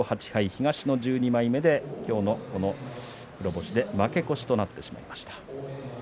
東の１２枚目で今日の黒星で負け越しとなってしまいました。